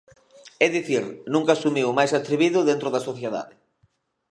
É dicir, nunca asumiu o máis atrevido dentro da sociedade.